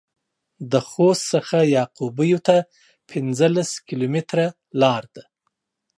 د خوست څخه يعقوبيو ته پنځلس کيلومتره لار ده.